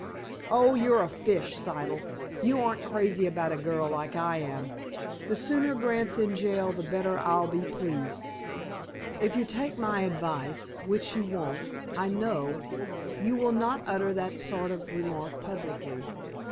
"Oh, you're a fish, Siddle. You aren't crazy about a girl, like I am. The sooner Grant's in jail the better I'll be pleased." "If you take my advice, which you won't, I know, you will not utter that sort of remark publicly."